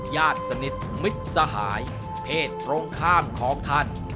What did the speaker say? ญาติสนิทมิตรสหายเพศตรงข้ามของท่าน